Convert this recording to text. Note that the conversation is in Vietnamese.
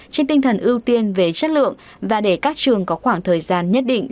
trên tinh thần ưu tiên về chất lượng và để các trường có khoảng thời gian nhất định